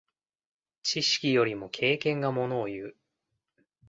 知識よりも経験がものをいう。